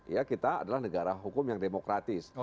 ya kita adalah negara hukum yang demokratis